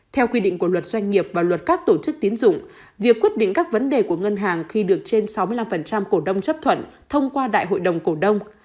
theo quy định của luật doanh nghiệp và luật các tổ chức tiến dụng việc quyết định các vấn đề của ngân hàng khi được trên sáu mươi năm cổ đông chấp thuận thông qua đại hội đồng cổ đông